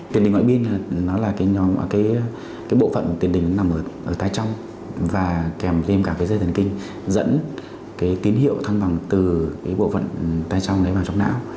tiền đình ngoại biên là bộ phận tiền đình nằm ở tay trong và kèm thêm cả dây thần kinh dẫn tín hiệu thăng bằng từ bộ phận tay trong vào trong não